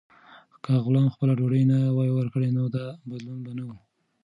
که غلام خپله ډوډۍ نه وای ورکړې، نو دا بدلون به نه و.